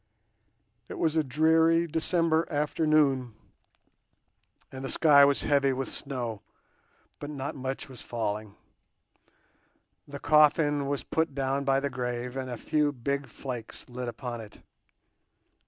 It was a dreary December afternoon, and the sky was heavy with snow, but not much was falling. The coffin was put down by the grave, and a few big flakes lit upon it.